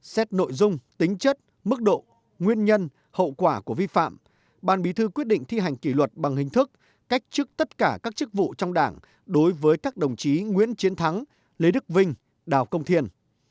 xét nội dung tính chất mức độ nguyên nhân hậu quả của vi phạm ban bí thư quyết định thi hành kỷ luật bằng hình thức cách chức tất cả các chức vụ trong đảng đối với các đồng chí nguyễn chiến thắng lê đức vinh đào công thiên